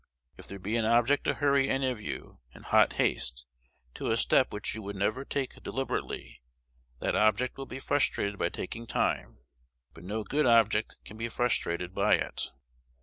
If there be an object to hurry any of you, in hot haste, to a step which you would never take deliberately, that object will be frustrated by taking time; but no good object can be frustrated by it.